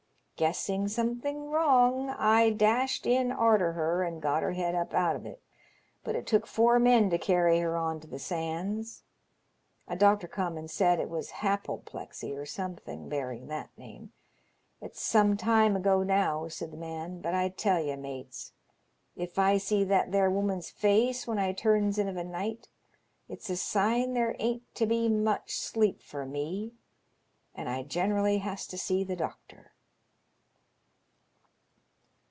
Guessing some ihin^ wrong, I dashed in arter her, and got her head up out of it, but it took four men to carry her on to the sands. A doctor come and said it was happle plexy, or something bearing that name. It's some time ago now," said the man, " but I tell ye, mates, if 1 see that there woman's face when I turns in of a night it's a sign there ain't to be much sleep for me, and I generally has to see the doctor."